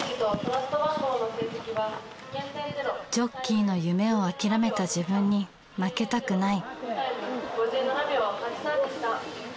ジョッキーの夢を諦めた自分に負けたくない。